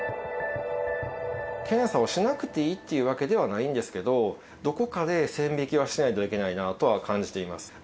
検査をしなくていいっていうわけではないんですけど、どこかで線引きはしないといけないなとは感じています。